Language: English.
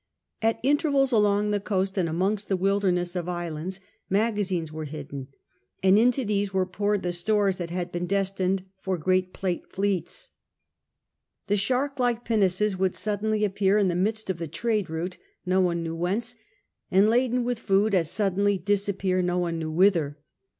At intervals along the coast and amongst the wilderness of islands magazines were hidden, and into these were poured the stores that had been destined for great Plate fleets. The shark CHAP. Ill JOINS THE MAROONS 33 like pinnaces would suddenly appear in the midst of the trade route no one knew whence, and, laden with food, as suddenly disappear no one knew whither.